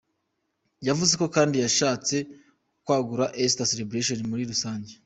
Yavuze ko kandi yashatse kwagura ‘Easter Celebration’ muri rusange.